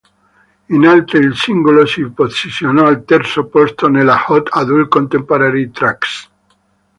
Inoltre, il singolo si posizionò al terzo posto nella Hot Adult Contemporary Tracks.